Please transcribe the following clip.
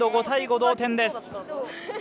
５対５、同点です。